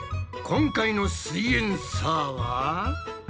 今回の「すイエんサー」は？